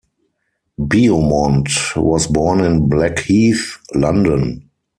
Beaumont was born in Blackheath, London.